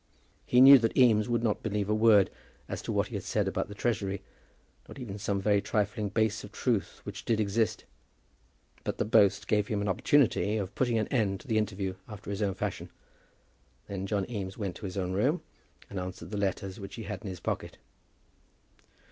He knew that Eames would not believe a word as to what he said about the Treasury, not even some very trifling base of truth which did exist; but the boast gave him an opportunity of putting an end to the interview after his own fashion. Then John Eames went to his own room and answered the letters which he had in his pocket.